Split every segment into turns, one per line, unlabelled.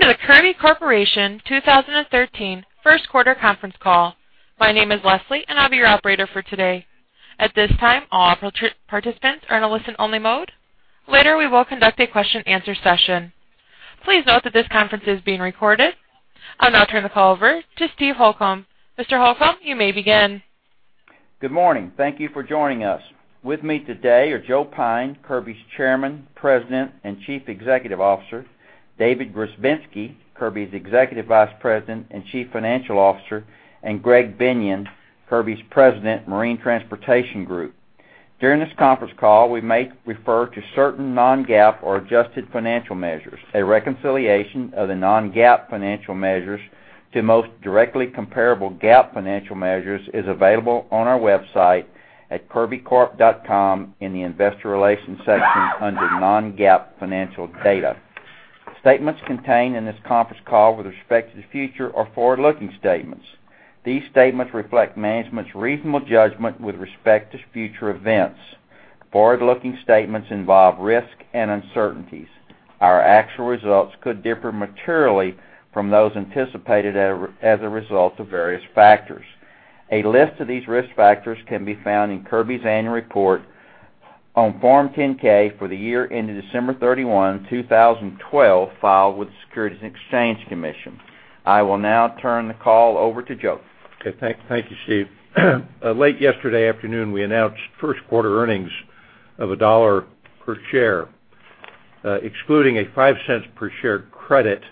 Welcome to the Kirby Corporation 2013 First Quarter Conference Call. My name is Leslie, and I'll be your operator for today. At this time, all participants are in a listen-only mode. Later, we will conduct a question-and-answer session. Please note that this conference is being recorded. I'll now turn the call over to Steve Holcomb. Mr. Holcomb, you may begin.
Good morning. Thank you for joining us. With me today are Joe Pyne, Kirby's Chairman, President, and Chief Executive Officer; David Grzebinski, Kirby's Executive Vice President and Chief Financial Officer; and Greg Binion, Kirby's President, Marine Transportation Group. During this conference call, we may refer to certain non-GAAP or adjusted financial measures. A reconciliation of the non-GAAP financial measures to most directly comparable GAAP financial measures is available on our website at kirbycorp.com in the Investor Relations section under Non-GAAP Financial Data. Statements contained in this conference call with respect to the future are forward-looking statements. These statements reflect management's reasonable judgment with respect to future events. Forward-looking statements involve risk and uncertainties. Our actual results could differ materially from those anticipated as a result of various factors. A list of these risk factors can be found in Kirby's annual report on Form 10-K for the year ended December 31, 2012, filed with the Securities and Exchange Commission. I will now turn the call over to Joe.
Okay, thank you, Steve. Late yesterday afternoon, we announced first quarter earnings of $1 per share, excluding a $0.05 per share credit,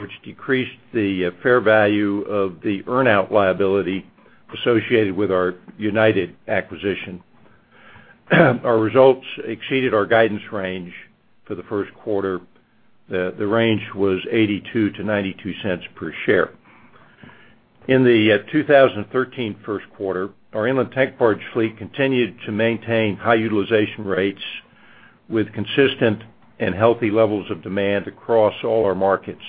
which decreased the fair value of the earn-out liability associated with our United acquisition. Our results exceeded our guidance range for the first quarter. The range was $0.82-$0.92 per share. In the 2013 first quarter, our inland tank barge fleet continued to maintain high utilization rates with consistent and healthy levels of demand across all our markets.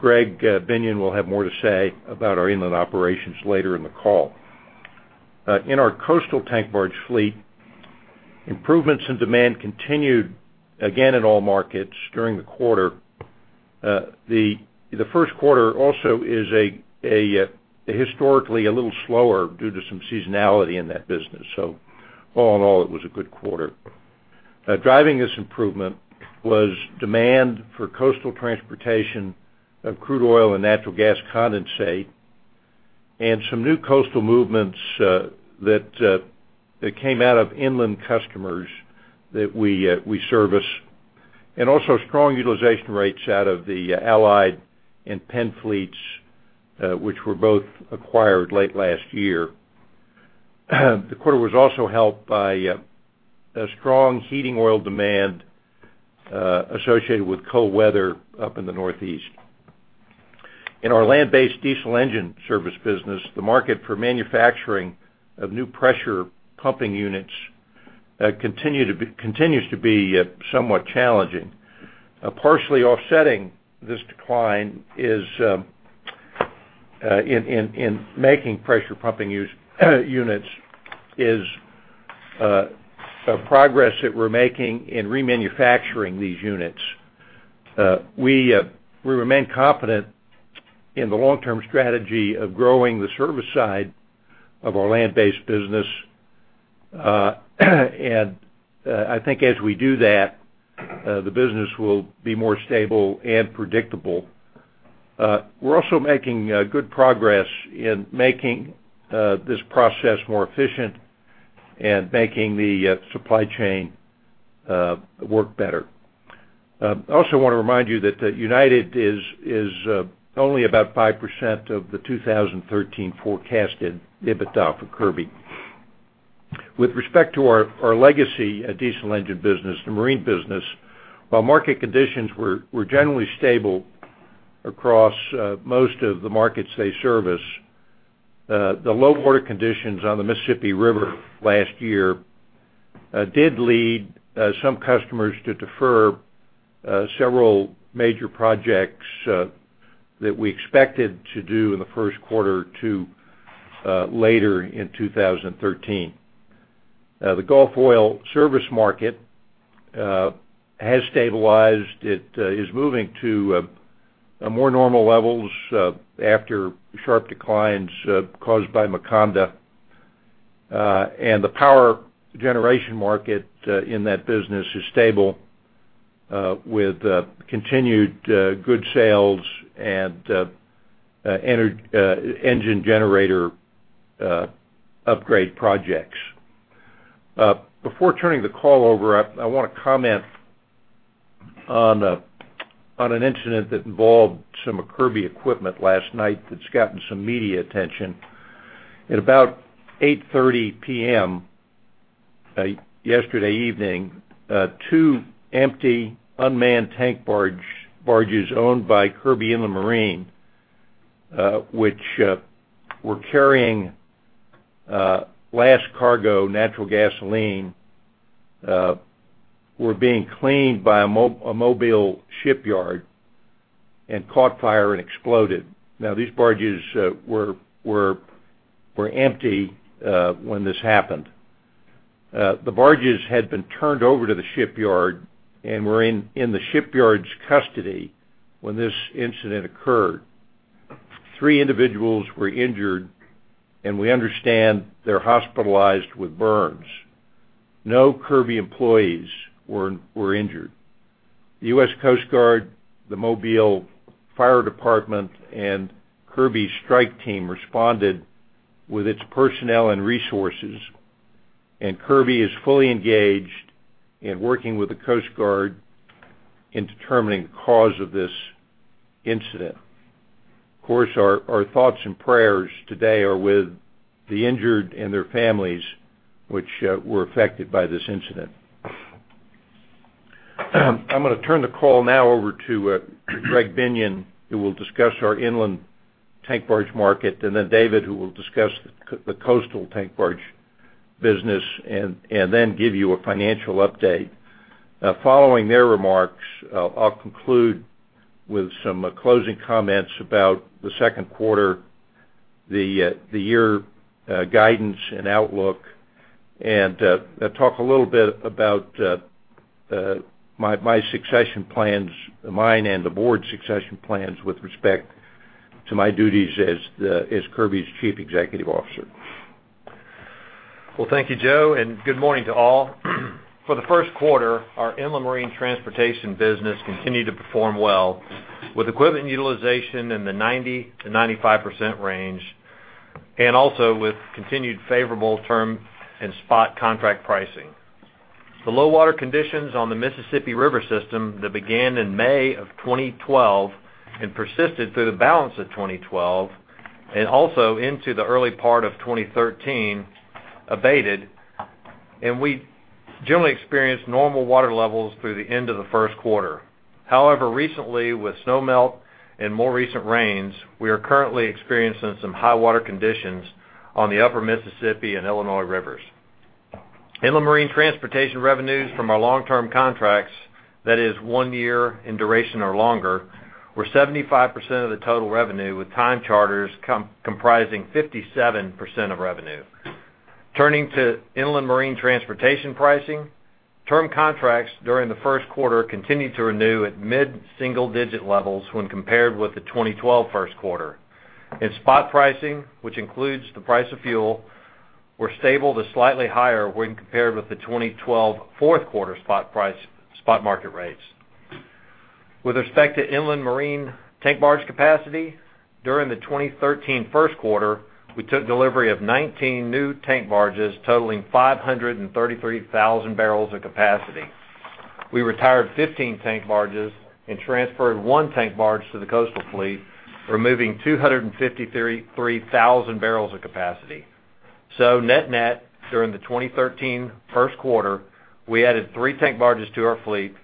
Greg Binion will have more to say about our inland operations later in the call. In our coastal tank barge fleet, improvements in demand continued again in all markets during the quarter. The first quarter also is historically a little slower due to some seasonality in that business, so all in all, it was a good quarter. Driving this improvement was demand for coastal transportation of crude oil and natural gas condensate and some new coastal movements that came out of inland customers that we service, and also strong utilization rates out of the Allied and Penn fleets, which were both acquired late last year. The quarter was also helped by a strong heating oil demand associated with cold weather up in the Northeast. In our land-based diesel engine service business, the market for manufacturing of new pressure pumping units continues to be somewhat challenging. Partially offsetting this decline is, in making pressure pumping units, a progress that we're making in remanufacturing these units. We remain confident in the long-term strategy of growing the service side of our land-based business. And I think as we do that, the business will be more stable and predictable. We're also making good progress in making this process more efficient and making the supply chain work better. I also want to remind you that United is only about 5% of the 2013 forecasted EBITDA for Kirby. With respect to our legacy diesel engine business, the marine business, while market conditions were generally stable across most of the markets they service, the low water conditions on the Mississippi River last year did lead some customers to defer several major projects that we expected to do in the first quarter to later in 2013. The Gulf Oil service market has stabilized. It is moving to a more normal levels after sharp declines caused by Macondo. And the power generation market in that business is stable with continued good sales and engine generator upgrade projects. Before turning the call over, I wanna comment on an incident that involved some of Kirby equipment last night that's gotten some media attention. At about 8:30 P.M., yesterday evening, two empty, unmanned tank barge, barges owned by Kirby Inland Marine, which were carrying last cargo, natural gasoline, were being cleaned by a Mobile shipyard and caught fire and exploded. Now, these barges were empty when this happened. The barges had been turned over to the shipyard and were in the shipyard's custody when this incident occurred. Three individuals were injured, and we understand they're hospitalized with burns. No Kirby employees were injured. The U.S. Coast Guard, the Mobile Fire Department, and Kirby's strike team responded with its personnel and resources, and Kirby is fully engaged in working with the Coast Guard in determining the cause of this incident. Of course, our, our thoughts and prayers today are with the injured and their families, which, were affected by this incident. I'm gonna turn the call now over to, Greg Binion, who will discuss our inland tank barge market, and then David, who will discuss the coastal tank barge business and, and then give you a financial update. Following their remarks, I'll conclude with some, closing comments about the second quarter, the, the year, guidance and outlook, and, talk a little bit about, my, my succession plans, mine and the board's succession plans, with respect to my duties as the- as Kirby's Chief Executive Officer.
Well, thank you, Joe, and good morning to all. For the first quarter, our inland marine transportation business continued to perform well, with equipment utilization in the 90%-95% range, and also with continued favorable term and spot contract pricing. The low water conditions on the Mississippi River system that began in May of 2012 and persisted through the balance of 2012, and also into the early part of 2013, abated, and we generally experienced normal water levels through the end of the first quarter. However, recently, with snow melt and more recent rains, we are currently experiencing some high water conditions on the upper Mississippi and Illinois Rivers. Inland marine transportation revenues from our long-term contracts, that is one year in duration or longer, were 75% of the total revenue, with time charters comprising 57% of revenue. Turning to inland marine transportation pricing, term contracts during the first quarter continued to renew at mid-single digit levels when compared with the 2012 first quarter. In spot pricing, which includes the price of fuel, were stable to slightly higher when compared with the 2012 fourth quarter spot price, spot market rates. With respect to inland marine tank barge capacity, during the 2013 first quarter, we took delivery of 19 new tank barges totaling 533,000 barrels of capacity. We retired 15 tank barges and transferred 1 tank barge to the coastal fleet, removing 253,000 barrels of capacity. So net-net, during the 2013 first quarter, we added three tank barges to our fleet,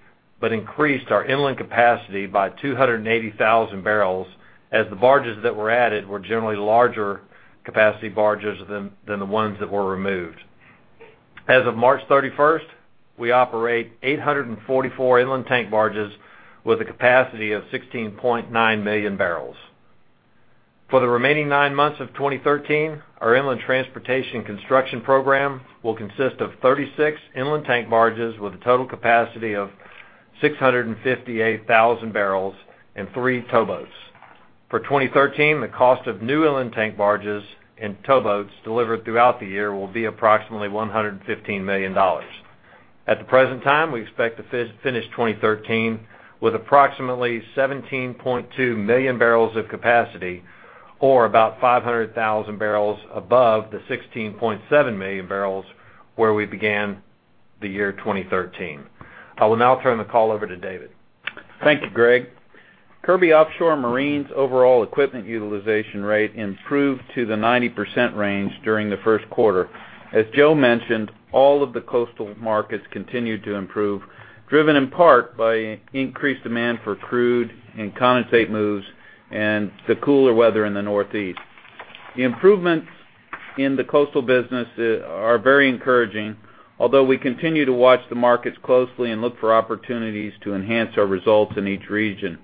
but increased our inland capacity by 280,000 barrels, as the barges that were added were generally larger capacity barges than the ones that were removed. As of March 31st, we operate 844 inland tank barges with a capacity of 16.9 million barrels. For the remaining nine months of 2013, our inland transportation construction program will consist of 36 inland tank barges with a total capacity of 658,000 barrels and three towboats. For 2013, the cost of new inland tank barges and towboats delivered throughout the year will be approximately $115 million. At the present time, we expect to finish 2013 with approximately 17.2 million barrels of capacity, or about 500,000 barrels above the 16.7 million barrels, where we began the year 2013. I will now turn the call over to David.
Thank you, Greg. Kirby Offshore Marine's overall equipment utilization rate improved to the 90% range during the first quarter. As Joe mentioned, all of the coastal markets continued to improve, driven in part by increased demand for crude and condensate moves and the cooler weather in the Northeast. The improvements in the coastal business are very encouraging, although we continue to watch the markets closely and look for opportunities to enhance our results in each region.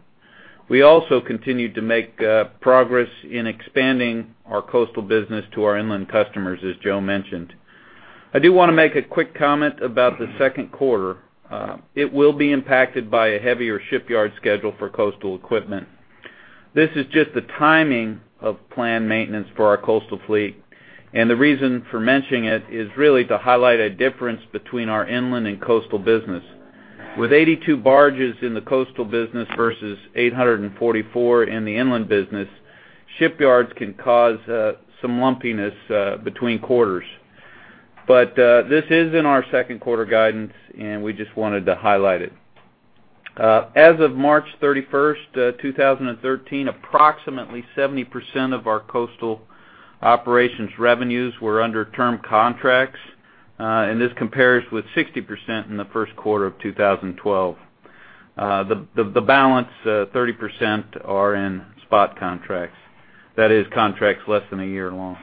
We also continued to make progress in expanding our coastal business to our inland customers, as Joe mentioned. I do wanna make a quick comment about the second quarter. It will be impacted by a heavier shipyard schedule for coastal equipment. This is just the timing of planned maintenance for our coastal fleet, and the reason for mentioning it is really to highlight a difference between our inland and coastal business. With 82 barges in the coastal business versus 844 in the inland business, shipyards can cause some lumpiness between quarters. But this is in our second quarter guidance, and we just wanted to highlight it. As of March 31st, 2013, approximately 70% of our coastal operations revenues were under term contracts, and this compares with 60% in the first quarter of 2012. The balance 30% are in spot contracts, that is, contracts less than a year long.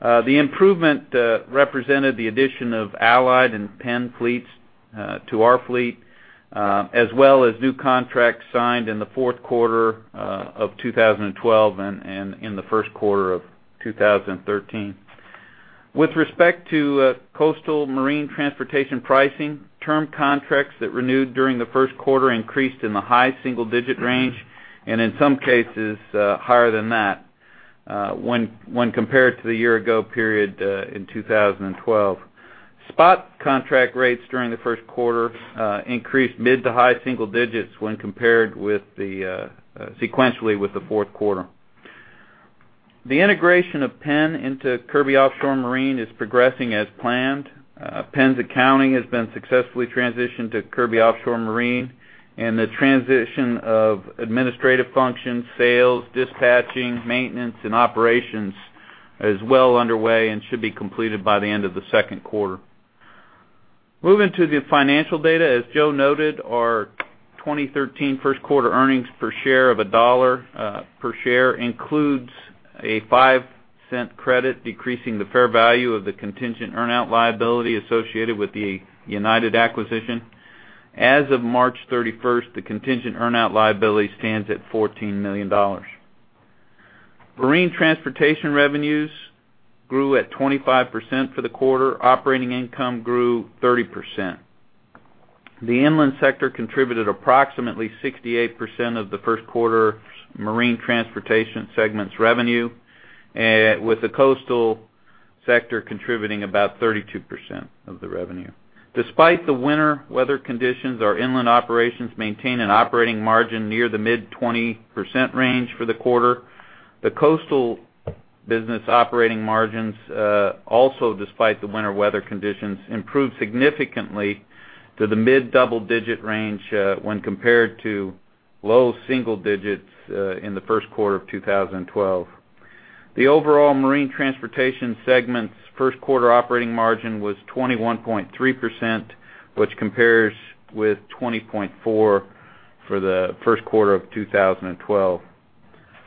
The improvement represented the addition of Allied and Penn fleets to our fleet, as well as new contracts signed in the fourth quarter of 2012, and in the first quarter of 2013. With respect to coastal marine transportation pricing, term contracts that renewed during the first quarter increased in the high single-digit range, and in some cases, higher than that, when compared to the year-ago period in 2012. Spot contract rates during the first quarter increased mid to high single digits when compared sequentially with the fourth quarter. The integration of Penn into Kirby Offshore Marine is progressing as planned. Penn's accounting has been successfully transitioned to Kirby Offshore Marine, and the transition of administrative functions, sales, dispatching, maintenance, and operations is well underway and should be completed by the end of the second quarter. Moving to the financial data, as Joe noted, our 2013 first quarter earnings per share of $1 per share includes a $0.05 credit, decreasing the fair value of the contingent earn-out liability associated with the United acquisition. As of March 31st, the contingent earn-out liability stands at $14 million. Marine transportation revenues grew 25% for the quarter. Operating income grew 30%. The inland sector contributed approximately 68% of the first quarter marine transportation segment's revenue, with the coastal sector contributing about 32% of the revenue. Despite the winter weather conditions, our inland operations maintain an operating margin near the mid-20% range for the quarter. The coastal business operating margins also despite the winter weather conditions improved significantly to the mid double-digit range when compared to low single digits in the first quarter of 2012. The overall marine transportation segment's first quarter operating margin was 21.3%, which compares with 20.4% for the first quarter of 2012.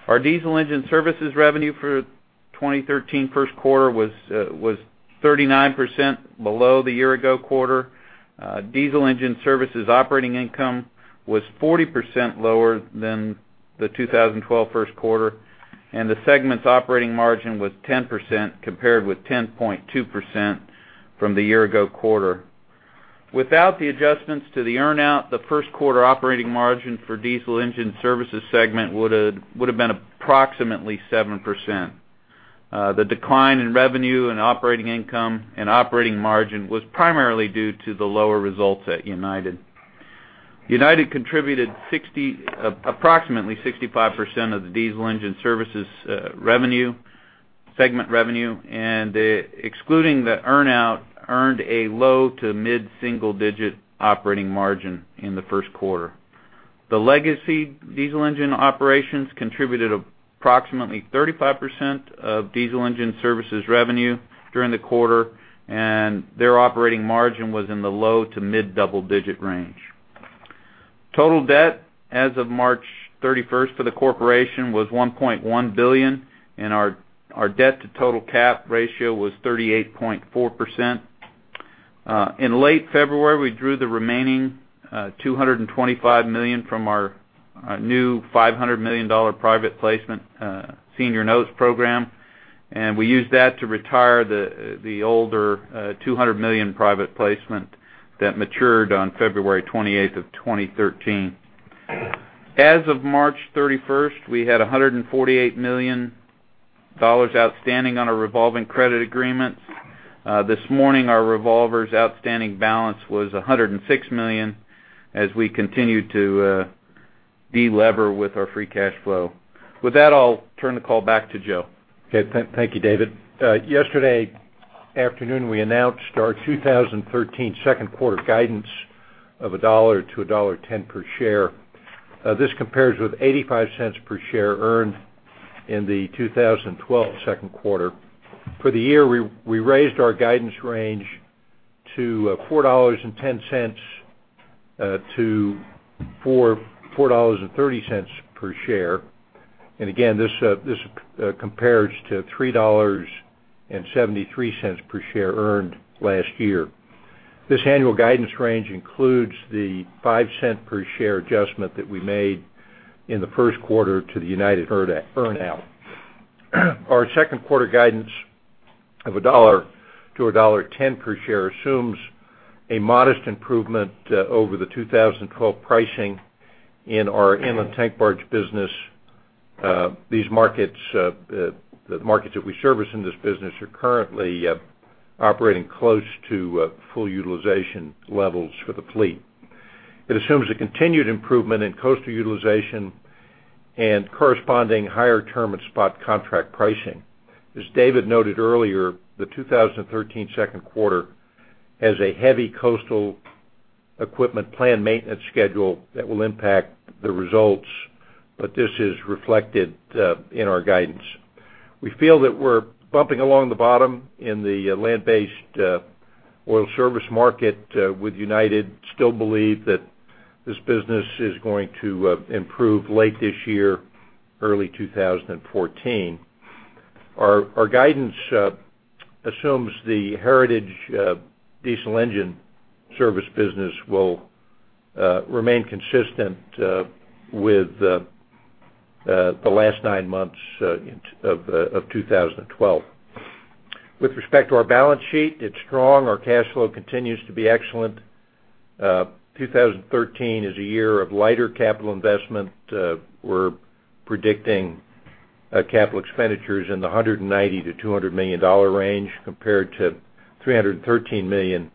Our diesel engine services revenue for 2013 first quarter was 39% below the year-ago quarter. Diesel engine services operating income was 40% lower than the 2012 first quarter, and the segment's operating margin was 10%, compared with 10.2% from the year-ago quarter. Without the adjustments to the earn-out, the first quarter operating margin for diesel engine services segment would have been approximately 7%. The decline in revenue and operating income and operating margin was primarily due to the lower results at United. United contributed approximately 65% of the diesel engine services revenue, segment revenue, and, excluding the earn-out, earned a low- to mid-single-digit operating margin in the first quarter. The legacy diesel engine operations contributed approximately 35% of diesel engine services revenue during the quarter, and their operating margin was in the low- to mid-double-digit range. Total debt as of March 31st for the corporation was $1.1 billion, and our debt to total cap ratio was 38.4%. In late February, we drew the remaining $225 million from our new $500 million private placement senior notes program, and we used that to retire the older $200 million private placement that matured on February 28th, 2013. As of March 31st, we had $148 million outstanding on our revolving credit agreements. This morning, our revolver's outstanding balance was $106 million, as we continue to delever with our free cash flow. With that, I'll turn the call back to Joe.
Okay, thank you, David. Yesterday afternoon, we announced our 2013 second quarter guidance of $1-$1.10 per share. This compares with $0.85 per share earned in the 2012 second quarter. For the year, we raised our guidance range to $4.10-$4.30 per share. Again, this compares to $3.73 per share earned last year. This annual guidance range includes the $0.05 per share adjustment that we made in the first quarter to the United earn-out. Our second quarter guidance of $1-$1.10 per share assumes a modest improvement over the 2012 pricing in our inland tank barge business. These markets, the markets that we service in this business are currently operating close to full utilization levels for the fleet. It assumes a continued improvement in coastal utilization and corresponding higher term and spot contract pricing. As David noted earlier, the 2013 second quarter has a heavy coastal equipment planned maintenance schedule that will impact the results, but this is reflected in our guidance. We feel that we're bumping along the bottom in the land-based oil service market with United, still believe that this business is going to improve late this year, early 2014. Our guidance assumes the heritage diesel engine service business will remain consistent with the last nine months of 2012. With respect to our balance sheet, it's strong. Our cash flow continues to be excellent. 2013 is a year of lighter capital investment. We're predicting capital expenditures in the $190 million-$200 million range, compared to $313 million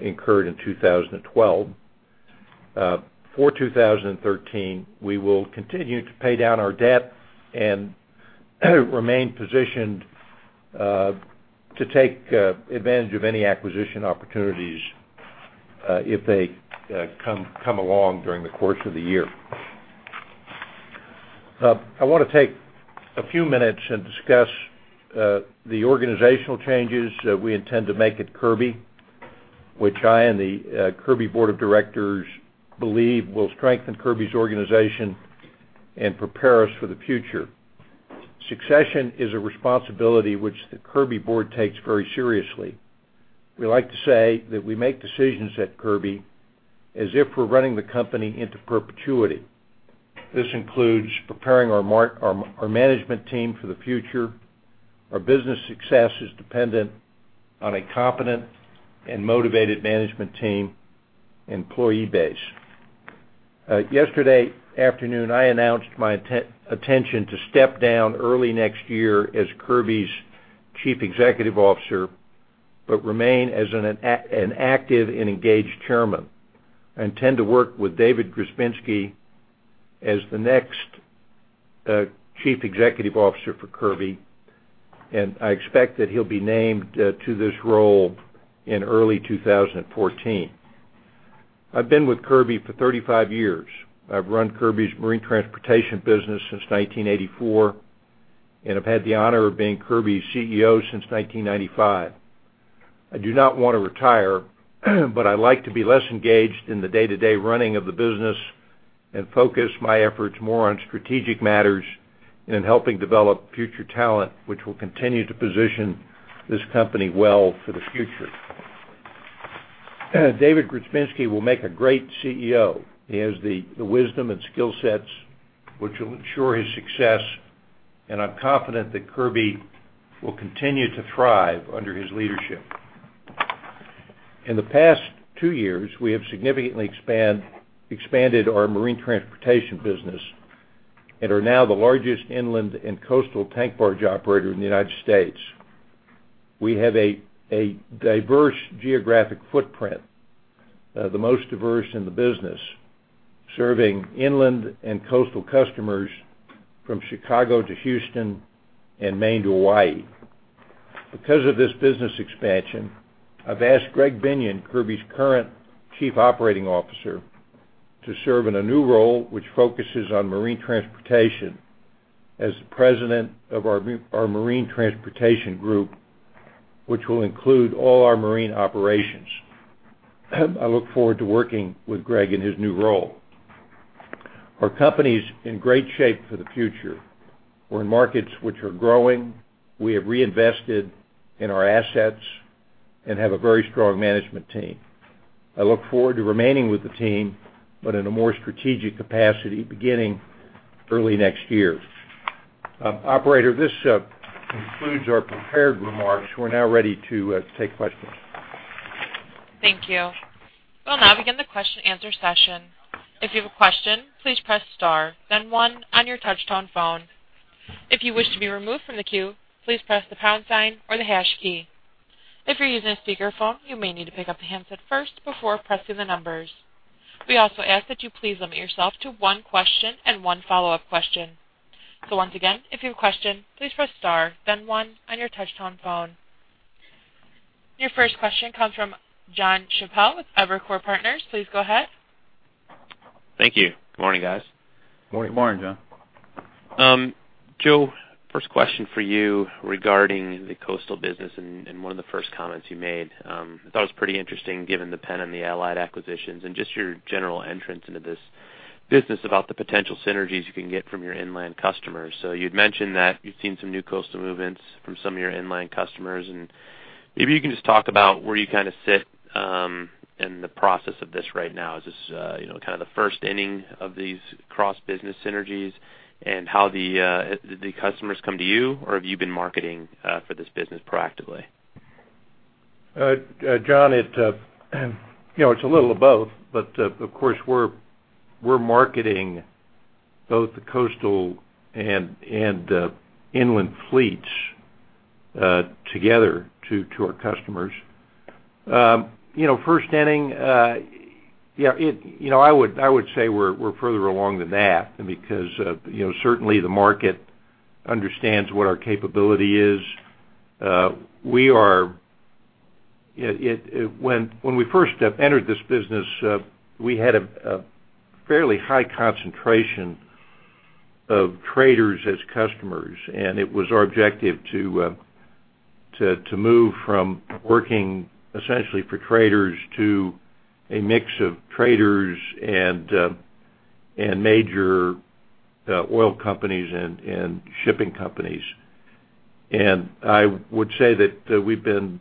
incurred in 2012. For 2013, we will continue to pay down our debt and remain positioned to take advantage of any acquisition opportunities if they come along during the course of the year. I want to take a few minutes and discuss the organizational changes that we intend to make at Kirby, which I and the Kirby Board of Directors believe will strengthen Kirby's organization and prepare us for the future. Succession is a responsibility which the Kirby Board takes very seriously. We like to say that we make decisions at Kirby as if we're running the company into perpetuity. This includes preparing our management team for the future. Our business success is dependent on a competent and motivated management team and employee base. Yesterday afternoon, I announced my intention to step down early next year as Kirby's Chief Executive Officer, but remain as an active and engaged Chairman. I intend to work with David Grzebinski as the next Chief Executive Officer for Kirby, and I expect that he'll be named to this role in early 2014. I've been with Kirby for 35 years. I've run Kirby's marine transportation business since 1984, and I've had the honor of being Kirby's CEO since 1995. I do not want to retire, but I'd like to be less engaged in the day-to-day running of the business and focus my efforts more on strategic matters and in helping develop future talent, which will continue to position this company well for the future. David Grzebinski will make a great CEO. He has the, the wisdom and skill sets which will ensure his success, and I'm confident that Kirby will continue to thrive under his leadership. In the past two years, we have significantly expanded our marine transportation business and are now the largest inland and coastal tank barge operator in the United States. We have a, a diverse geographic footprint, the most diverse in the business, serving inland and coastal customers from Chicago to Houston and Maine to Hawaii. Because of this business expansion, I've asked Greg Binion, Kirby's current Chief Operating Officer, to serve in a new role, which focuses on marine transportation as the President of our Marine Transportation Group, which will include all our marine operations. I look forward to working with Greg in his new role. Our company is in great shape for the future. We're in markets which are growing. We have reinvested in our assets and have a very strong management team. I look forward to remaining with the team, but in a more strategic capacity, beginning early next year. Operator, this concludes our prepared remarks. We're now ready to take questions.
Thank you. We'll now begin the question-and-answer session. If you have a question, please press star, then one on your touch-tone phone. If you wish to be removed from the queue, please press the pound sign or the hash key. If you're using a speakerphone, you may need to pick up the handset first before pressing the numbers. We also ask that you please limit yourself to one question and one follow-up question. So once again, if you have a question, please press star, then one on your touch-tone phone. Your first question comes from Jon Chappell with Evercore Partners. Please go ahead.
Thank you. Good morning, guys.
Good morning. Morning, Jon.
Joe, first question for you regarding the coastal business and one of the first comments you made. I thought it was pretty interesting, given the Penn and the Allied acquisitions and just your general entrance into this business, about the potential synergies you can get from your inland customers. So you'd mentioned that you've seen some new coastal movements from some of your inland customers, and maybe you can just talk about where you kind of sit in the process of this right now. Is this, you know, kind of the first inning of these cross-business synergies? And how the do the customers come to you, or have you been marketing for this business proactively?
Jon, it, you know, it's a little of both, but, of course, we're marketing both the coastal and inland fleets together to our customers. You know, first inning, yeah, it... You know, I would say we're further along than that because, you know, certainly the market understands what our capability is. When we first entered this business, we had a fairly high concentration of traders as customers, and it was our objective to, to move from working essentially for traders to a mix of traders and major oil companies and shipping companies. And I would say that we've been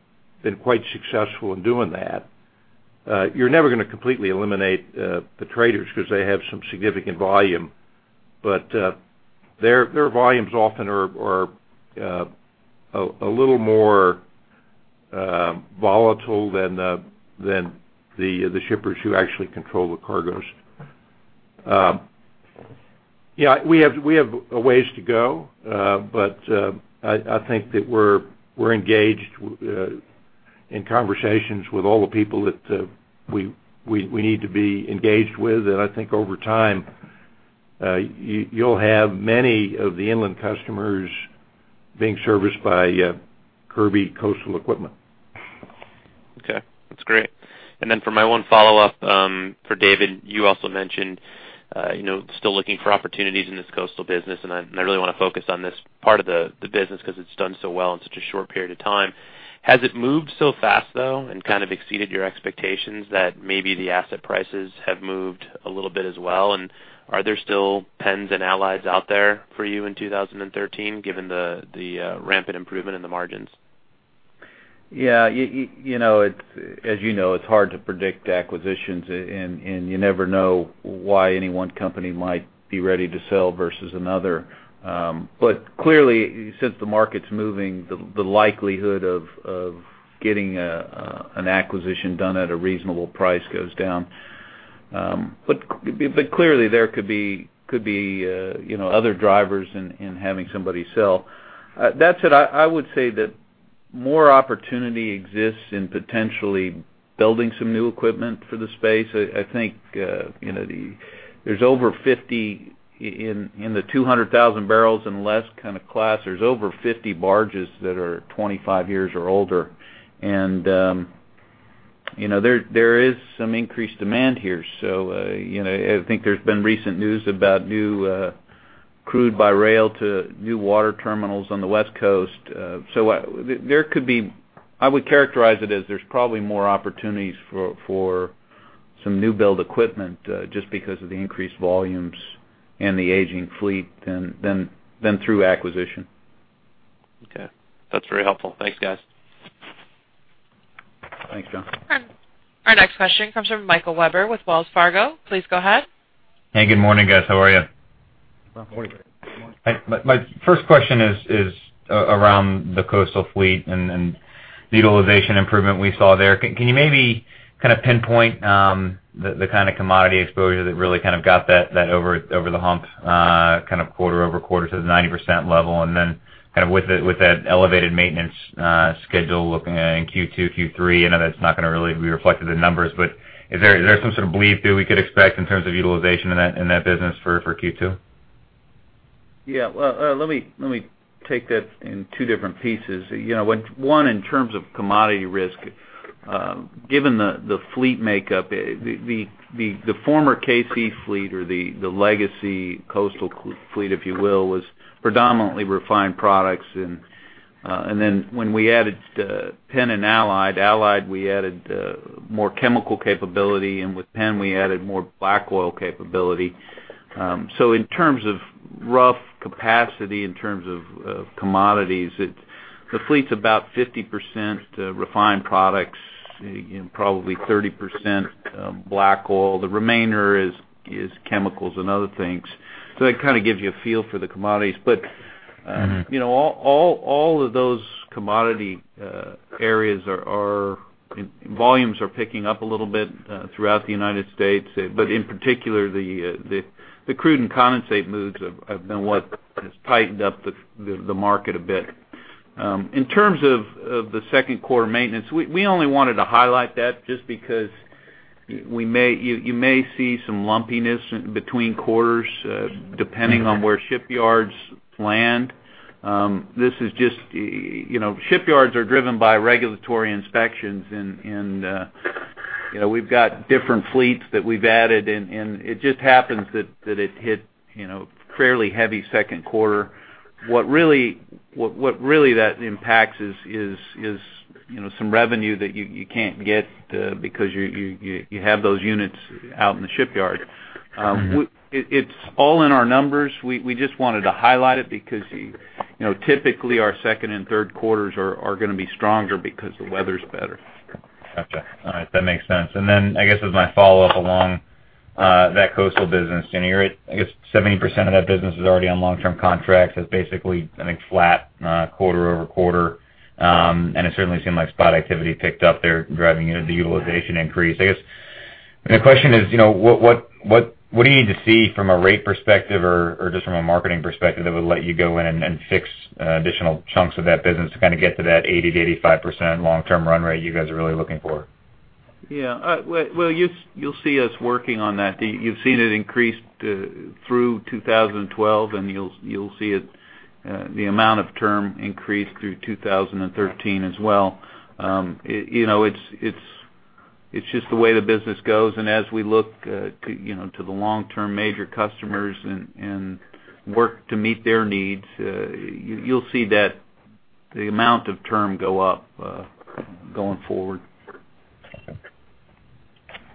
quite successful in doing that. You're never gonna completely eliminate the traders because they have some significant volume, but their volumes often are a little more volatile than the shippers who actually control the cargoes. Yeah, we have a ways to go, but I think that we're engaged in conversations with all the people that we need to be engaged with. And I think over time, you'll have many of the inland customers being serviced by Kirby Coastal Equipment.
Okay, that's great. And then for my one follow-up, for David, you also mentioned, you know, still looking for opportunities in this coastal business, and I, and I really wanna focus on this part of the, the business 'cause it's done so well in such a short period of time. Has it moved so fast, though, and kind of exceeded your expectations that maybe the asset prices have moved a little bit as well? And are there still Penns and Allieds out there for you in 2013, given the, the, rampant improvement in the margins?
Yeah, you know, it's as you know, it's hard to predict acquisitions, and you never know why any one company might be ready to sell versus another. But clearly, since the market's moving, the likelihood of getting an acquisition done at a reasonable price goes down. But clearly, there could be, you know, other drivers in having somebody sell. That said, I would say that more opportunity exists in potentially building some new equipment for the space. I think, you know, there's over 50 in the 200,000 barrels and less kind of class, there's over 50 barges that are 25 years or older. And, you know, there is some increased demand here. So, you know, I think there's been recent news about new crude by rail to new water terminals on the West Coast. So, there could be... I would characterize it as there's probably more opportunities for some new build equipment, just because of the increased volumes and the aging fleet than through acquisition.
Okay. That's very helpful. Thanks, guys.
Thanks, Jon.
Our next question comes from Michael Webber with Wells Fargo. Please go ahead.
Hey, good morning, guys. How are you?
Good morning.
My first question is around the coastal fleet and the utilization improvement we saw there. Can you maybe kind of pinpoint the kind of commodity exposure that really kind of got that over the hump kind of quarter-over-quarter to the 90% level? And then, kind of with that elevated maintenance schedule looking in Q2, Q3, I know that's not gonna really be reflected in numbers, but is there some sort of belief that we could expect in terms of utilization in that business for Q2?
Yeah, well, let me take that in two different pieces. You know, when one, in terms of commodity risk, given the fleet makeup, the former K-Sea fleet or the legacy coastal fleet, if you will, was predominantly refined products. And then when we added Penn and Allied, we added more chemical capability, and with Penn, we added more black oil capability. So in terms of rough capacity, in terms of commodities, it's the fleet's about 50% refined products and probably 30% black oil. The remainder is chemicals and other things. So that kind of gives you a feel for the commodities. But, you know, all of those commodity areas, volumes are picking up a little bit throughout the United States. But in particular, the crude and condensate moves have been what has tightened up the market a bit. In terms of the second quarter maintenance, we only wanted to highlight that just because you may see some lumpiness between quarters, depending on where shipyards land. This is just, you know, shipyards are driven by regulatory inspections, and, and, you know, we've got different fleets that we've added, and, and it just happens that, that it hit, you know, fairly heavy second quarter. What really, what, what really that impacts is, is, is, you know, some revenue that you, you, you have those units out in the shipyard. It's all in our numbers. We just wanted to highlight it because, you know, typically our second and third quarters are gonna be stronger because the weather's better.
Gotcha. All right, that makes sense. Then, I guess, as my follow-up along that coastal business, you know, I guess 70% of that business is already on long-term contracts. That's basically, I think, flat quarter-over-quarter. And it certainly seemed like spot activity picked up there, driving, you know, the utilization increase. I guess the question is, you know, what do you need to see from a rate perspective or just from a marketing perspective, that would let you go in and fix additional chunks of that business to kind of get to that 80%-85% long-term run rate you guys are really looking for?
Yeah, well, you'll see us working on that. You've seen it increase through 2012, and you'll see it, the amount of term increase through 2013 as well. You know, it's just the way the business goes, and as we look to the long-term major customers and work to meet their needs, you'll see that the amount of term go up going forward.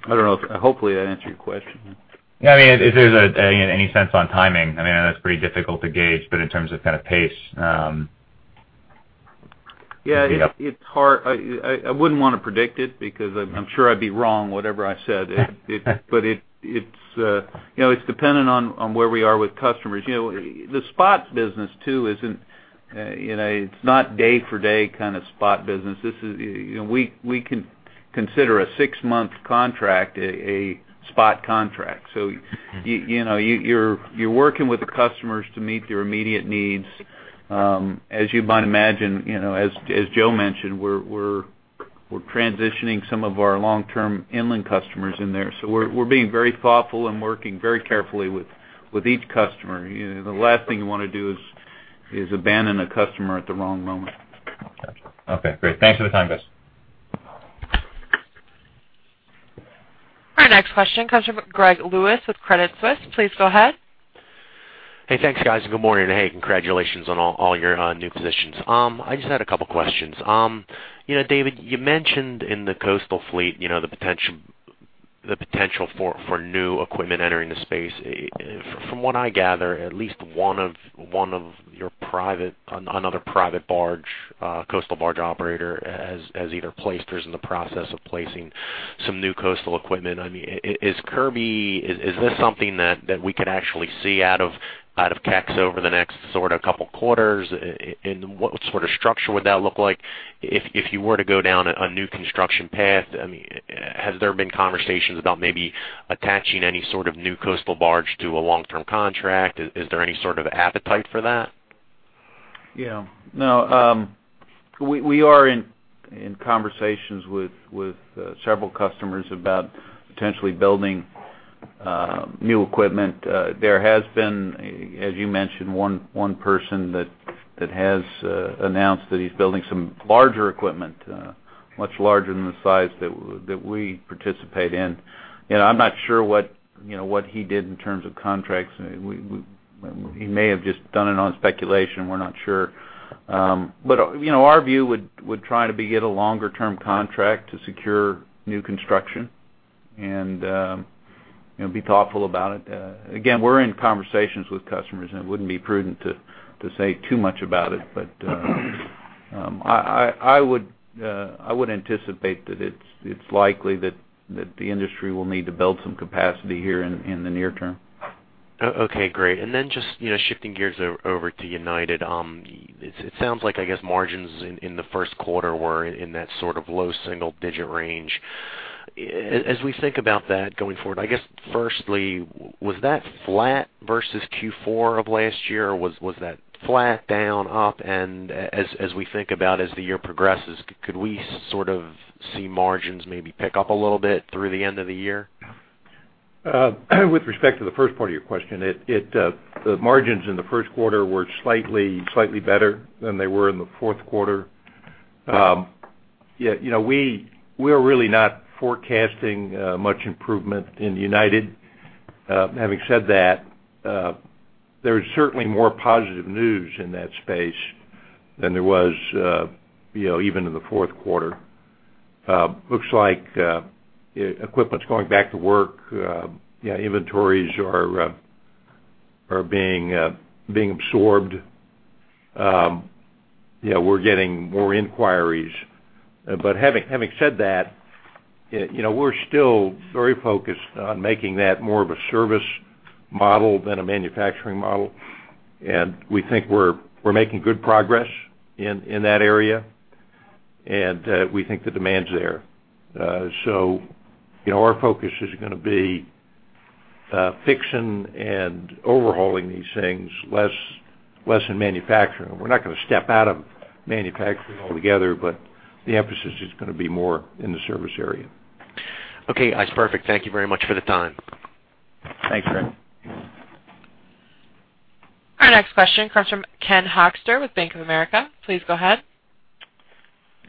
I don't know if hopefully, that answered your question.
Yeah, I mean, if there's any sense on timing, I mean, I know it's pretty difficult to gauge, but in terms of kind of pace.
Yeah, it's hard. I wouldn't want to predict it because I'm sure I'd be wrong, whatever I said. But it's, you know, it's dependent on where we are with customers. You know, the spots business, too, isn't, you know, it's not day-for-day kind of spot business. This is, you know, we can consider a six-month contract, a spot contract. So, you know, you're working with the customers to meet your immediate needs. As you might imagine, you know, as Joe mentioned, we're transitioning some of our long-term inland customers in there. So we're being very thoughtful and working very carefully with each customer. You know, the last thing we want to do is abandon a customer at the wrong moment.
Gotcha. Okay, great. Thanks for the time, guys.
Our next question comes from Greg Lewis with Credit Suisse. Please go ahead.
Hey, thanks, guys. Good morning. Hey, congratulations on all your new positions. I just had a couple questions. You know, David, you mentioned in the coastal fleet, you know, the potential for new equipment entering the space. From what I gather, at least one other private coastal barge operator has either placed or is in the process of placing some new coastal equipment. I mean, is this something that we could actually see out of K-Sea over the next sort of couple quarters? And what sort of structure would that look like if you were to go down a new construction path? I mean, has there been conversations about maybe attaching any sort of new coastal barge to a long-term contract? Is there any sort of appetite for that?
Yeah. No, we are in conversations with several customers about potentially building new equipment. There has been, as you mentioned, one person that has announced that he's building some larger equipment, much larger than the size that we participate in. You know, I'm not sure what, you know, what he did in terms of contracts. He may have just done it on speculation, we're not sure. But, you know, our view would try to get a longer-term contract to secure new construction and, you know, be thoughtful about it. Again, we're in conversations with customers, and it wouldn't be prudent to say too much about it. But I would anticipate that it's likely that the industry will need to build some capacity here in the near term.
Oh, okay, great. And then just, you know, shifting gears over to United. It sounds like, I guess, margins in the first quarter were in that sort of low single-digit range. As we think about that going forward, I guess, firstly, was that flat versus Q4 of last year, or was that flat, down, up? And as we think about as the year progresses, could we sort of see margins maybe pick up a little bit through the end of the year?
With respect to the first part of your question, the margins in the first quarter were slightly better than they were in the fourth quarter. Yeah, you know, we're really not forecasting much improvement in United. Having said that, there's certainly more positive news in that space than there was, you know, even in the fourth quarter. Looks like equipment's going back to work, yeah, inventories are being absorbed. Yeah, we're getting more inquiries. But having said that, you know, we're still very focused on making that more of a service model than a manufacturing model, and we think we're making good progress in that area, and we think the demand's there. So, you know, our focus is gonna be fixing and overhauling these things, less in manufacturing. We're not gonna step out of manufacturing altogether, but the emphasis is gonna be more in the service area.
Okay, that's perfect. Thank you very much for the time.
Thanks, Greg.
Our next question comes from Ken Hoexter with Bank of America. Please go ahead.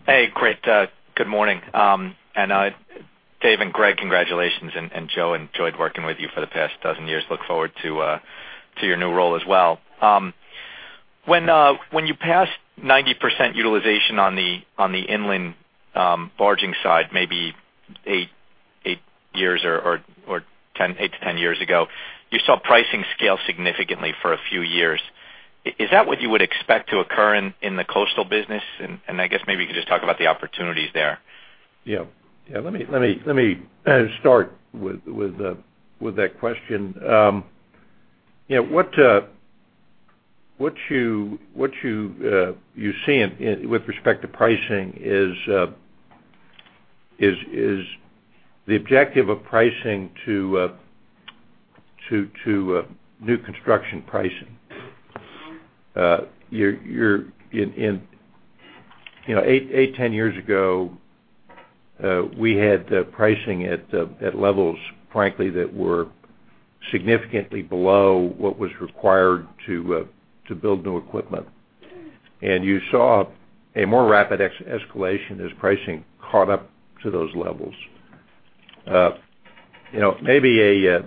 Hey, great, good morning. Dave and Greg, congratulations, and Joe, enjoyed working with you for the past 12 years. Look forward to your new role as well. When you passed 90% utilization on the inland barging side, maybe eight to 10 years ago, you saw pricing scale significantly for a few years. Is that what you would expect to occur in the coastal business? I guess maybe you could just talk about the opportunities there.
Yeah. Yeah, let me start with that question. You know, what you see in with respect to pricing is the objective of pricing to new construction pricing. You're... In, you know, eight to 10 years ago, we had pricing at levels, frankly, that were significantly below what was required to build new equipment. And you saw a more rapid escalation as pricing caught up to those levels. You know, maybe a,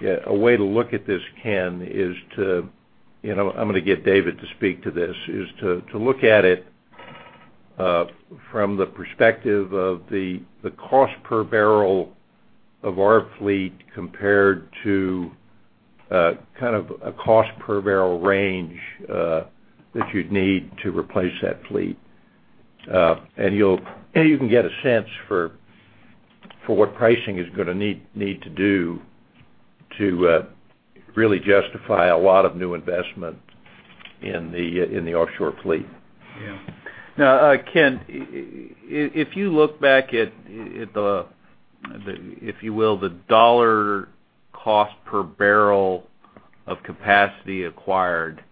yeah, a way to look at this, Ken, is to, you know, I'm gonna get David to speak to this, is to look at it from the perspective of the cost per barrel of our fleet compared to kind of a cost per barrel range that you'd need to replace that fleet. And you'll and you can get a sense for what pricing is gonna need to do to really justify a lot of new investment in the offshore fleet.
Yeah.
Now, Ken, if you look back at the dollar cost per barrel of capacity acquired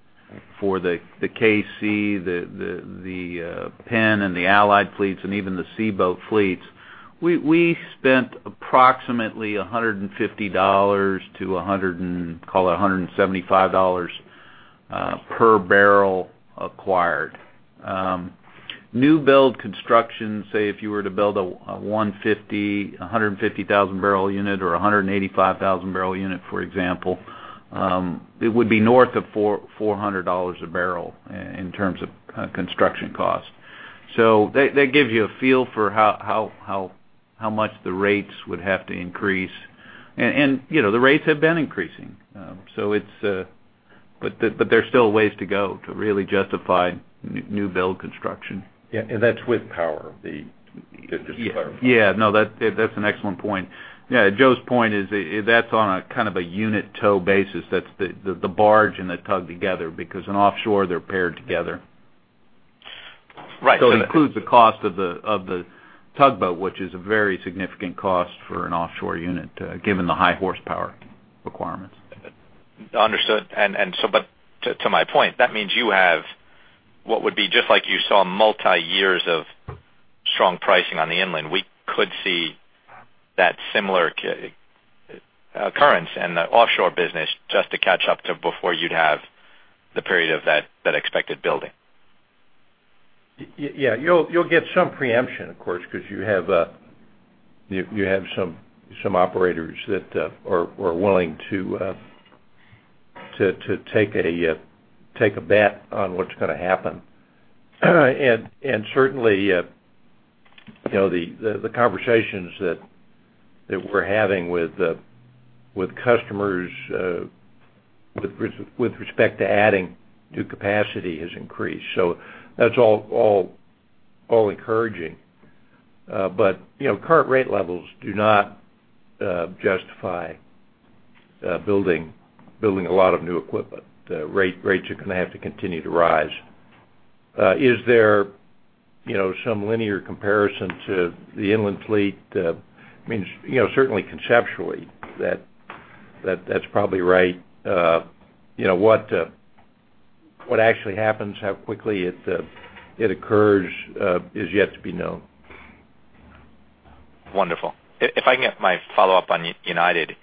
for the K-Sea, the Penn and the Allied fleets, and even the Seaboats fleets, we spent approximately $150 to, call it $175, per barrel acquired. New build construction, say, if you were to build a 150, a 150,000-barrel unit or a 185,000-barrel unit, for example, it would be north of $400 a barrel in terms of construction cost. So that gives you a feel for how much the rates would have to increase. And you know, the rates have been increasing, so it's... But there's still ways to go to really justify new build construction.
Yeah, and that's with power, just to clarify.
Yeah. No, that's an excellent point. Yeah, Joe's point is that's on a kind of a unit tow basis. That's the barge and the tug together, because in offshore, they're paired together.
Right.
So it includes the cost of the tugboat, which is a very significant cost for an offshore unit, given the high horsepower requirements.
Understood. And so but to my point, that means you have what would be just like you saw multi-years of strong pricing on the inland. We could see that similar occurrence in the offshore business just to catch up to before you'd have the period of that expected building.
Yeah, you'll get some preemption, of course, 'cause you have some operators that are willing to take a bet on what's gonna happen. Certainly, you know, the conversations that we're having with the customers with respect to adding new capacity has increased. So that's all encouraging. You know, current rate levels do not justify building a lot of new equipment. The rates are gonna have to continue to rise. Is there, you know, some linear comparison to the inland fleet? I mean, you know, certainly conceptually, that's probably right. You know, what actually happens, how quickly it occurs, is yet to be known.
Wonderful. If I can get my follow-up on United.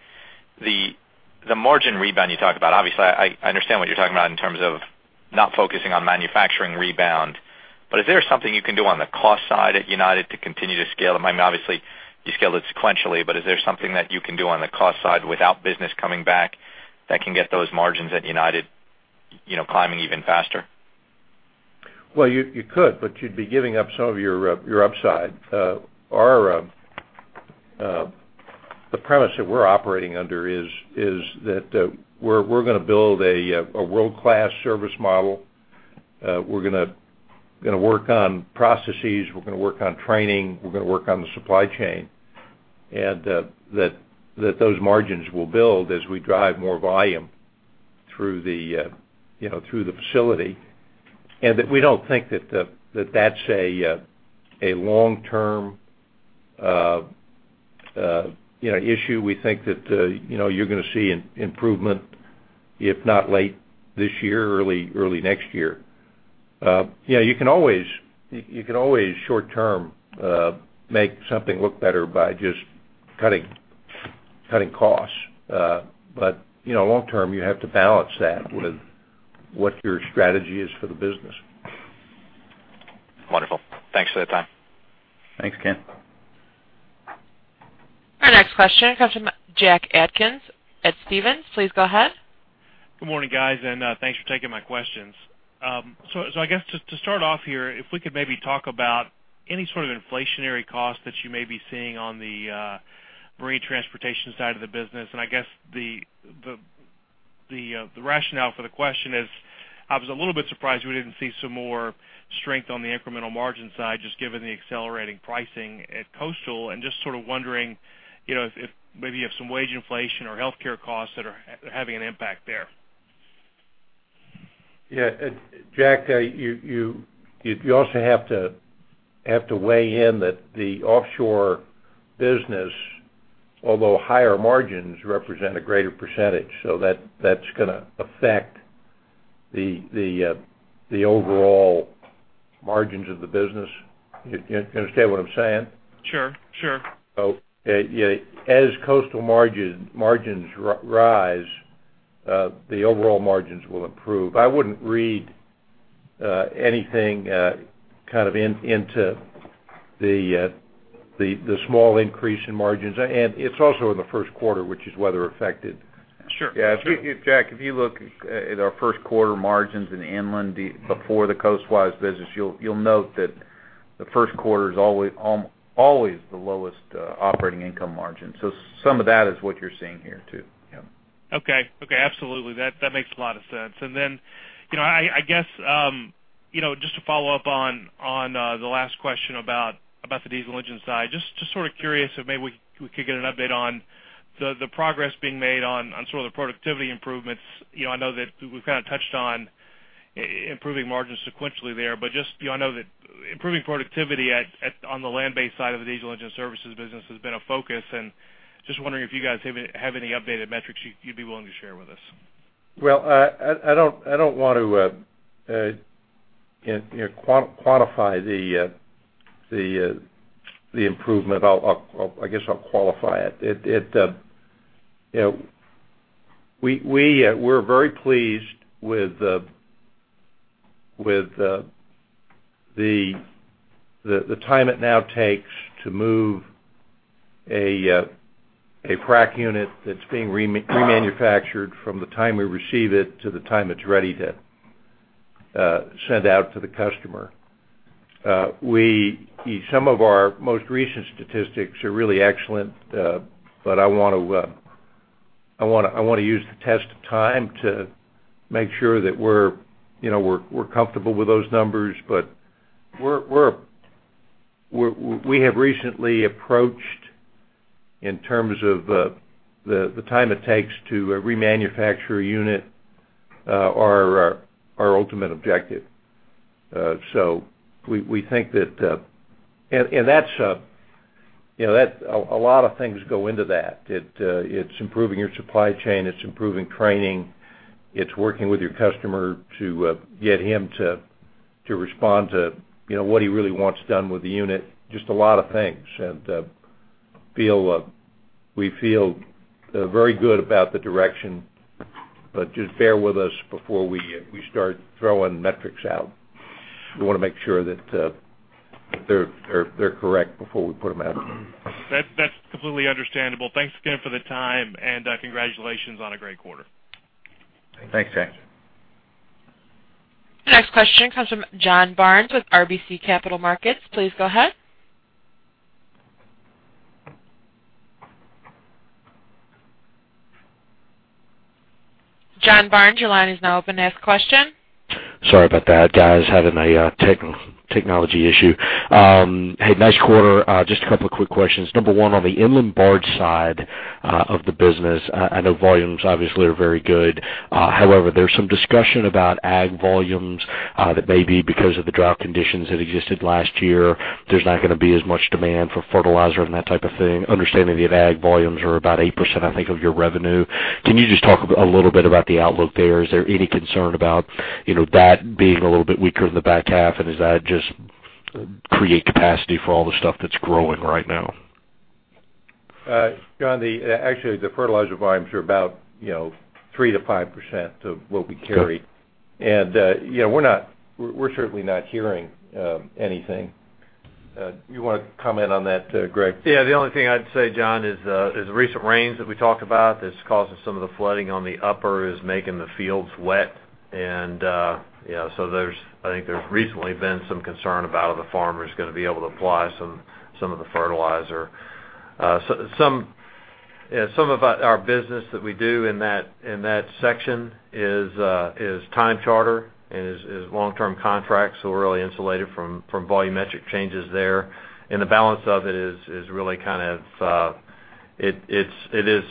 The margin rebound you talked about, obviously, I understand what you're talking about in terms of not focusing on manufacturing rebound. But is there something you can do on the cost side at United to continue to scale? I mean, obviously, you scaled it sequentially, but is there something that you can do on the cost side without business coming back, that can get those margins at United, you know, climbing even faster?
Well, you could, but you'd be giving up some of your upside. The premise that we're operating under is that we're gonna build a world-class service model. We're gonna work on processes, we're gonna work on training, we're gonna work on the supply chain. And that those margins will build as we drive more volume through the, you know, through the facility. And that we don't think that that's a long-term, you know, issue. We think that, you know, you're gonna see an improvement, if not late this year, early next year. Yeah, you can always short term make something look better by just cutting costs. But, you know, long term, you have to balance that with what your strategy is for the business.
Wonderful. Thanks for the time.
Thanks, Ken.
Our next question comes from Jack Atkins at Stephens. Please go ahead.
Good morning, guys, and thanks for taking my questions. So, I guess just to start off here, if we could maybe talk about any sort of inflationary costs that you may be seeing on the marine transportation side of the business. And I guess the rationale for the question is, I was a little bit surprised we didn't see some more strength on the incremental margin side, just given the accelerating pricing at coastal, and just sort of wondering, you know, if maybe you have some wage inflation or healthcare costs that are having an impact there.
Yeah, Jack, you also have to weigh in that the offshore business, although higher margins, represent a greater percentage, so that's gonna affect the overall margins of the business. You, you understand what I'm saying?
Sure, sure.
Yeah, as coastal margins rise, the overall margins will improve. I wouldn't read anything kind of into the small increase in margins, and it's also in the first quarter, which is weather affected.
Sure, sure.
Yeah, if Jack, if you look at our first quarter margins in inland before the coastwise business, you'll note that the first quarter is always the lowest operating income margin. So some of that is what you're seeing here, too. Yeah.
Okay. Okay, absolutely. That makes a lot of sense. Then, you know, I guess, you know, just to follow up on the last question about the diesel engine side, just sort of curious if maybe we could get an update on the progress being made on some of the productivity improvements. You know, I know that we've kind of touched on improving margins sequentially there, but just, you know, I know that improving productivity on the land-based side of the diesel engine services business has been a focus, and just wondering if you guys have any updated metrics you'd be willing to share with us?
Well, I don't want to, you know, quantify the improvement. I'll, I guess I'll qualify it. It, you know, we, we're very pleased with the time it now takes to move a frac unit that's being remanufactured from the time we receive it to the time it's ready to send out to the customer. Some of our most recent statistics are really excellent, but I want to, I wanna use the test of time to make sure that we're, you know, we're comfortable with those numbers. But we're, we have recently approached, in terms of, the time it takes to remanufacture a unit, our ultimate objective. So we think that. And that's, you know, that a lot of things go into that. It's improving your supply chain, it's improving training, it's working with your customer to get him to respond to, you know, what he really wants done with the unit. Just a lot of things. And we feel very good about the direction, but just bear with us before we start throwing metrics out. We wanna make sure that they're correct before we put them out.
That's, that's completely understandable. Thanks again for the time, and, congratulations on a great quarter.
Thanks, Jack.
Next question comes from John Barnes with RBC Capital Markets. Please go ahead. John Barnes, your line is now open to ask a question.
Sorry about that, guys. Having a technology issue. Hey, nice quarter. Just a couple of quick questions. Number one, on the inland barge side of the business, I know volumes obviously are very good. However, there's some discussion about ag volumes that may be because of the drought conditions that existed last year. There's not gonna be as much demand for fertilizer and that type of thing. Understanding that ag volumes are about 8%, I think, of your revenue, can you just talk a little bit about the outlook there? Is there any concern about, you know, that being a little bit weaker in the back half, and does that just create capacity for all the stuff that's growing right now?
John, actually, the fertilizer volumes are about, you know, 3%-5% of what we carry. You know, we're not, we're certainly not hearing anything. You wanna comment on that, Greg?
Yeah, the only thing I'd say, John, is recent rains that we talked about that's causing some of the flooding on the upper Mississippi is making the fields wet. And yeah, so there's, I think there's recently been some concern about are the farmers gonna be able to apply some of the fertilizer. So some of our business that we do in that section is time charter and long-term contracts, so we're really insulated from volumetric changes there. And the balance of it is really kind of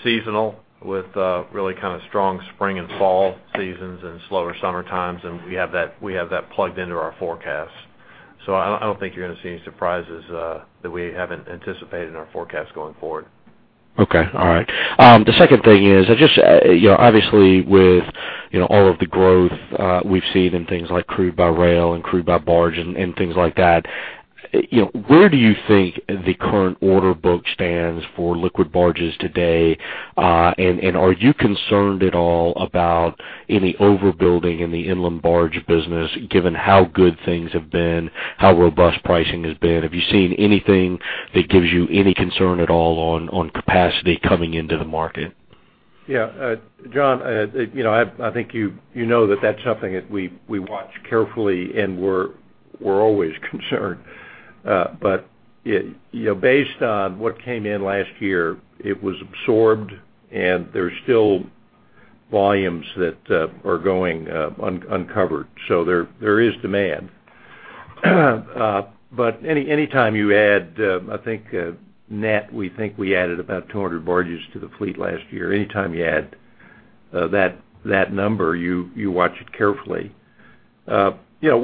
seasonal, with really kind of strong spring and fall seasons and slower summer times, and we have that plugged into our forecast. I don't think you're gonna see any surprises that we haven't anticipated in our forecast going forward.
Okay. All right. The second thing is, I just, you know, obviously with, you know, all of the growth, we've seen in things like crude by rail and crude by barge and things like that, you know, where do you think the current order book stands for liquid barges today? And are you concerned at all about any overbuilding in the inland barge business, given how good things have been, how robust pricing has been? Have you seen anything that gives you any concern at all on capacity coming into the market?
Yeah, John, you know, I think you know that that's something that we watch carefully, and we're always concerned. But you know, based on what came in last year, it was absorbed, and there's still volumes that are going uncovered, so there is demand. But anytime you add, I think net, we think we added about 200 barges to the fleet last year. Anytime you add that number, you watch it carefully. You know,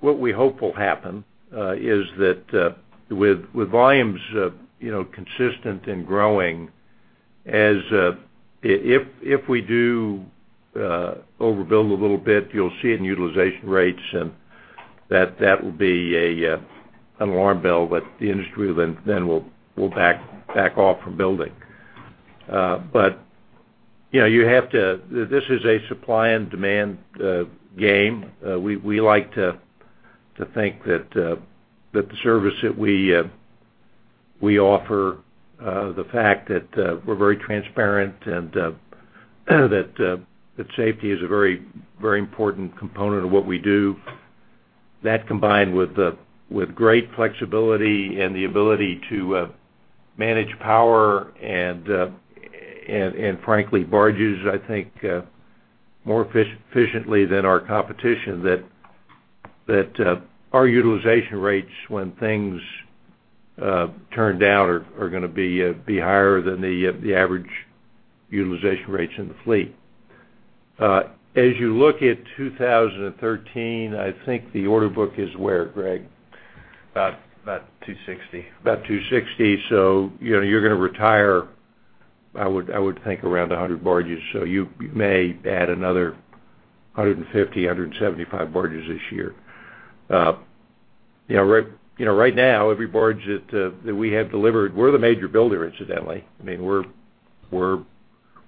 what we hope will happen is that with volumes you know, consistent and growing as if we do overbuild a little bit, you'll see it in utilization rates, and that will be an alarm bell, but the industry then will back off from building. But you know, you have to, this is a supply and demand game. We like to think that the service that we offer, the fact that we're very transparent and that safety is a very, very important component of what we do. That combined with great flexibility and the ability to manage power and frankly barges, I think, more efficiently than our competition, that our utilization rates, when things turn down, are gonna be higher than the average utilization rates in the fleet. As you look at 2013, I think the order book is where, Greg?
About 260.
About 260. So, you know, you're gonna retire, I would, I would think, around 100 barges, so you may add another 150, 175 barges this year. You know, right, you know, right now, every barge that we have delivered, we're the major builder, incidentally. I mean, we're, we're,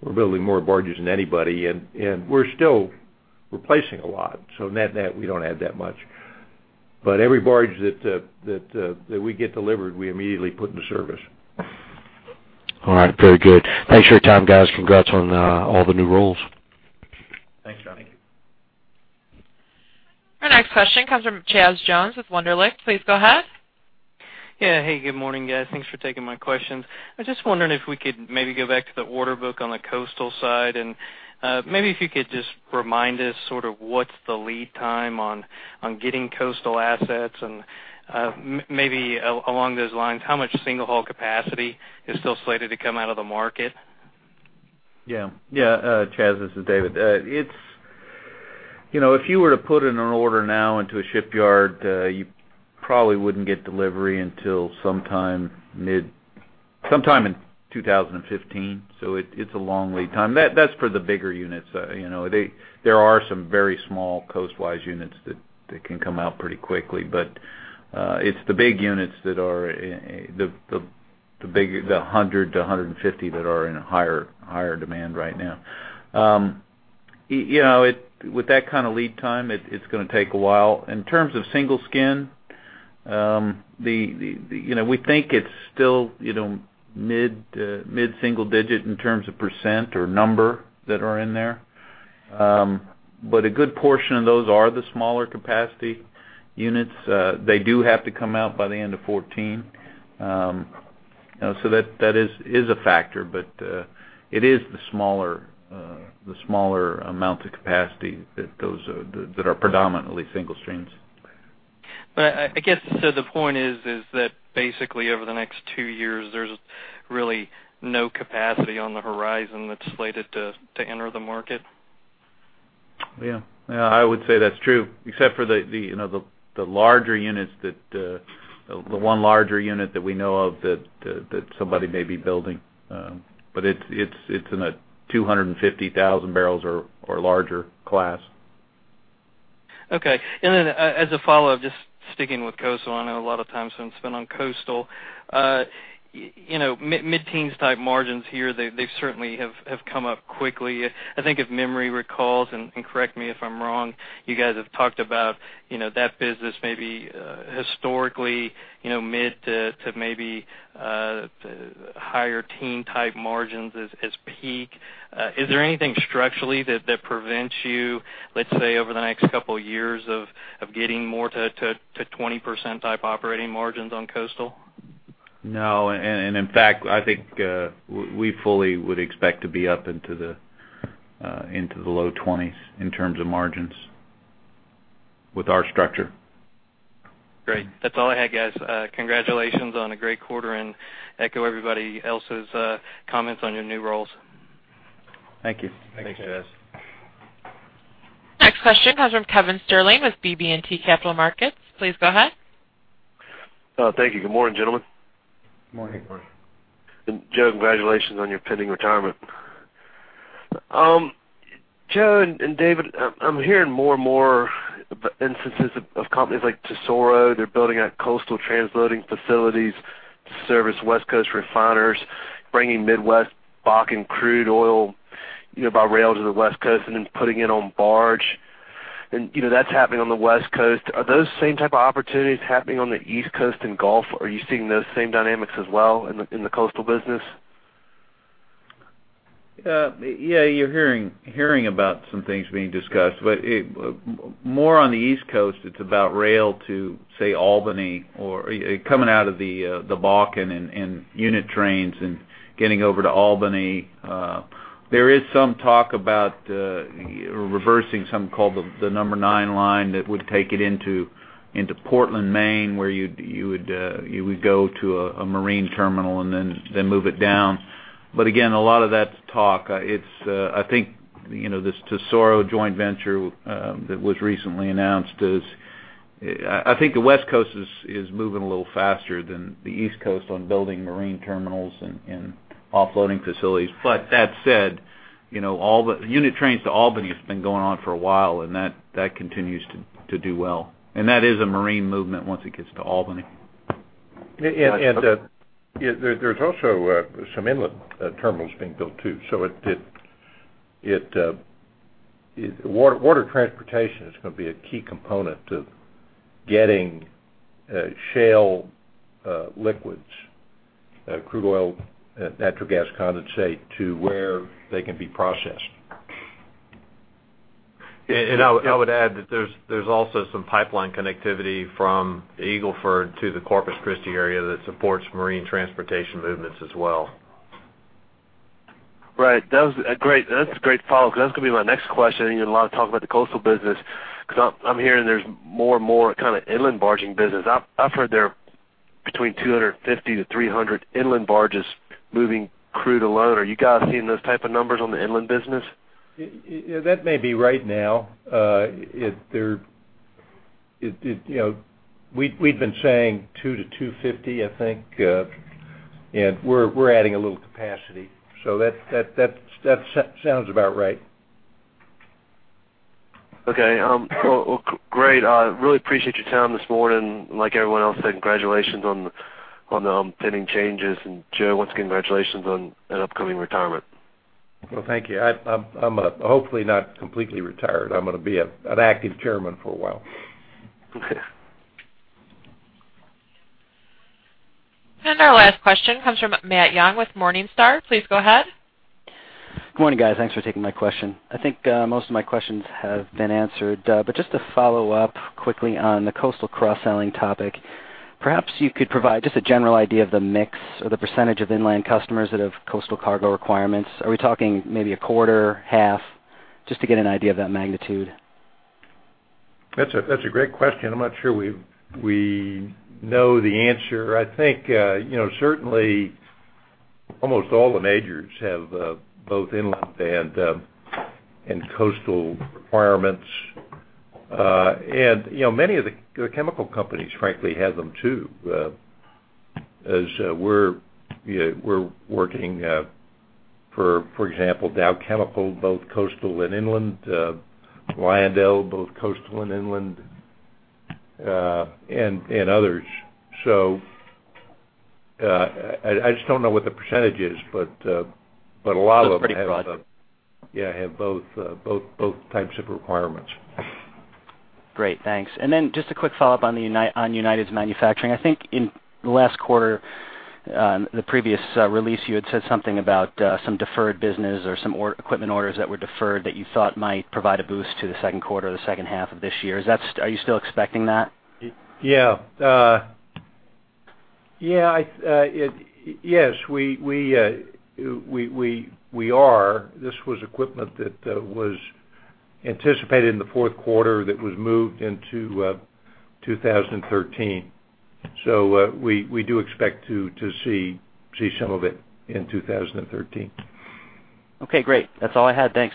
we're building more barges than anybody, and, and we're still replacing a lot, so net-net, we don't add that much. But every barge that we get delivered, we immediately put into service.
All right, very good. Thanks for your time, guys. Congrats on all the new roles.
Thanks, John.
Thank you.
Our next question comes from Chaz Jones with Wunderlich. Please go ahead.
Yeah. Hey, good morning, guys. Thanks for taking my questions. I was just wondering if we could maybe go back to the order book on the coastal side, and maybe if you could just remind us sort of what's the lead time on getting coastal assets? And maybe along those lines, how much single hull capacity is still slated to come out of the market?
Yeah. Yeah, Chaz, this is David. It's... You know, if you were to put in an order now into a shipyard, you probably wouldn't get delivery until sometime mid-- sometime in 2015. So it, it's a long lead time. That's for the bigger units. You know, there are some very small coast-wise units that that can come out pretty quickly. But, it's the big units that are, the the big, the 100 to 150 that are in higher, higher demand right now. You know, it-- with that kind of lead time, it, it's gonna take a while. In terms of single skin, the, you know, we think it's still, you know, mid, mid-single digit in terms of percent or number that are in there. But a good portion of those are the smaller capacity units. They do have to come out by the end of 2014. So that is a factor, but it is the smaller amounts of capacity that those are predominantly single skins.
But I guess, so the point is, that basically, over the next two years, there's really no capacity on the horizon that's slated to enter the market?
Yeah. Yeah, I would say that's true, except for the, the, you know, the, the larger units that, the one larger unit that we know of that, that somebody may be building, but it's, it's, it's in a 250,000 barrels or, or larger class.
Okay. And then as a follow-up, just sticking with coastal, I know a lot of time has been spent on coastal. You know, mid-teens type margins here, they certainly have come up quickly. I think, if memory recalls, and correct me if I'm wrong, you guys have talked about, you know, that business maybe historically, you know, mid- to maybe higher teen-type margins as peak. Is there anything structurally that prevents you, let's say, over the next couple of years, of getting more to 20% type operating margins on coastal?
No, and in fact, I think we fully would expect to be up into the low 20s in terms of margins with our structure.
Great. That's all I had, guys. Congratulations on a great quarter and echo everybody else's comments on your new roles.
Thank you.
Thanks, Chaz.
Next question comes from Kevin Sterling with BB&T Capital Markets. Please go ahead.
Thank you. Good morning, gentlemen.
Good morning.
Good morning.
And Joe, congratulations on your pending retirement. Joe and David, I'm hearing more and more instances of companies like Tesoro. They're building out coastal transloading facilities to service West Coast refiners, bringing Midwest Bakken crude oil, you know, by rail to the West Coast and then putting it on barge. And, you know, that's happening on the West Coast. Are those same type of opportunities happening on the East Coast and Gulf? Are you seeing those same dynamics as well in the coastal business?
Yeah, you're hearing about some things being discussed, but more on the East Coast, it's about rail to, say, Albany or coming out of the Bakken and unit trains and getting over to Albany. There is some talk about reversing something called the Number 9 line that would take it into Portland, Maine, where you would go to a marine terminal and then move it down. But again, a lot of that's talk. It's... I think, you know, this Tesoro joint venture that was recently announced is, I think the West Coast is moving a little faster than the East Coast on building marine terminals and offloading facilities. But that said, you know, all the unit trains to Albany has been going on for a while, and that continues to do well. And that is a marine movement once it gets to Albany.
Yeah, there's also some inland terminals being built, too. So water transportation is gonna be a key component to getting shale liquids, crude oil, and natural gas condensate to where they can be processed.
And I would add that there's also some pipeline connectivity from Eagle Ford to the Corpus Christi area that supports marine transportation movements as well.
Right. That was a great—that's a great follow-up, because that's gonna be my next question. You get a lot of talk about the coastal business because I'm, I'm hearing there's more and more kind of inland barging business. I've, I've heard there are between 250 to 300 inland barges moving crude alone. Are you guys seeing those type of numbers on the inland business?
That may be right now. You know, we’ve been saying two to 250, I think, and we’re adding a little capacity. So that sounds about right.
Okay, well, great. Really appreciate your time this morning. Like everyone else said, congratulations on the pending changes. Joe, once again, congratulations on an upcoming retirement.
Well, thank you. I'm, I'm hopefully not completely retired. I'm gonna be an active chairman for a while.
Our last question comes from Matt Young with Morningstar. Please go ahead.
Good morning, guys. Thanks for taking my question. I think, most of my questions have been answered. But just to follow up quickly on the coastal cross-selling topic, perhaps you could provide just a general idea of the mix or the percentage of inland customers that have coastal cargo requirements. Are we talking maybe a quarter, half? Just to get an idea of that magnitude.
That's a great question. I'm not sure we know the answer. I think, you know, certainly almost all the majors have both inland and coastal requirements. And, you know, many of the chemical companies, frankly, have them, too. As we're working, for example, Dow Chemical, both coastal and inland, Lyondell, both coastal and inland, and others. So, I just don't know what the percentage is, but a lot of them-
It's pretty broad.
Yeah, have both types of requirements.
Great, thanks. And then just a quick follow-up on United's manufacturing. I think in the last quarter, the previous release, you had said something about some deferred business or some equipment orders that were deferred that you thought might provide a boost to the second quarter or the second half of this year. Is that? Are you still expecting that?
Yeah. Yeah, yes, we are. This was equipment that was anticipated in the fourth quarter that was moved into 2013. So, we do expect to see some of it in 2013.
Okay, great. That's all I had. Thanks.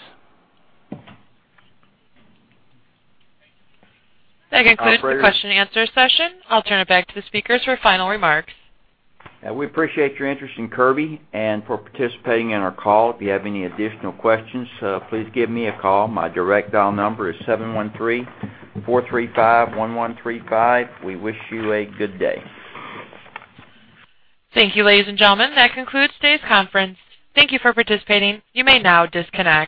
That concludes the question and answer session. I'll turn it back to the speakers for final remarks.
We appreciate your interest in Kirby and for participating in our call. If you have any additional questions, please give me a call. My direct dial number is 713-435-1135. We wish you a good day.
Thank you, ladies and gentlemen. That concludes today's conference. Thank you for participating. You may now disconnect.